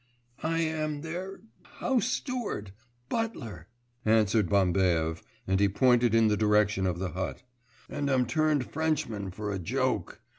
'I am their ... house steward, butler,' answered Bambaev, and he pointed in the direction of the hut. 'And I'm turned Frenchman for a joke.